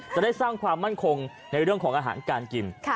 จะได้สร้างความมั่นคงในเรื่องของอาหารการกิน